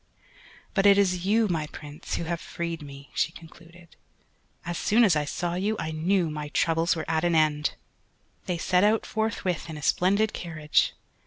"But it is you, my Prince, who have freed me," she concluded; "as soon as I saw you I knew my troubles were at an end." They set out forthwith in a splendid carriage.